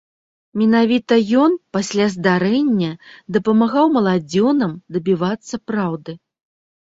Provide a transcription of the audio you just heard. Менавіта ён пасля здарэння дапамагаў маладзёнам дабівацца праўды.